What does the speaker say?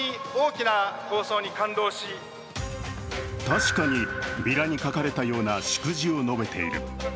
確かにビラに書かれたような祝辞を述べている。